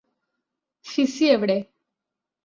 ഫിസ്സി എവിടെ